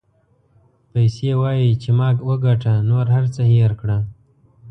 پیسې وایي چې ما وګټه نور هر څه هېر کړه.